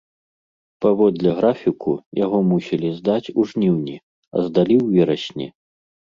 Паводле графіку яго мусілі здаць у жніўні, а здалі ў верасні.